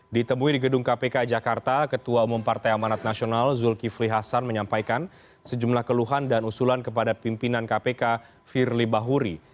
ditemui di gedung kpk jakarta ketua umum partai amanat nasional zulkifli hasan menyampaikan sejumlah keluhan dan usulan kepada pimpinan kpk firly bahuri